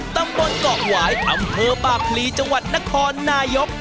ตำบลเกาะหวายอำเภอปากพลีจังหวัดนครนายก